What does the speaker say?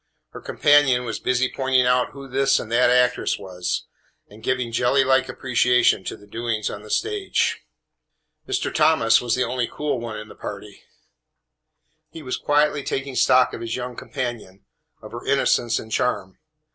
Her companion was busy pointing out who this and that actress was, and giving jelly like appreciation to the doings on the stage. Mr. Thomas was the only cool one in the party. He was quietly taking stock of his young companion, of her innocence and charm.